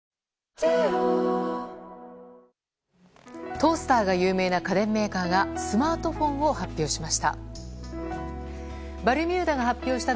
トースターが有名な家電メーカーがスマートフォンを発表しました。